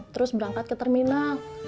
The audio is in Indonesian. terus berangkat ke terminal